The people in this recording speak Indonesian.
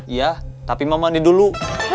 iya tapi mama ini dulu